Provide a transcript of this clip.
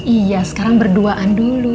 iya sekarang berduaan dulu